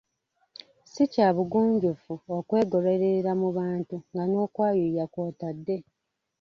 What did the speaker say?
Si kya bugunjufu okwegololera mu bantu nga n’okwayuuya kw’otadde.